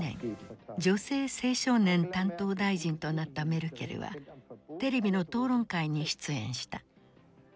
女性・青少年担当大臣となったメルケルはテレビの討論会に出演した。